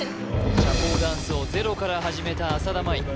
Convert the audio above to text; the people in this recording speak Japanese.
社交ダンスをゼロから始めた浅田舞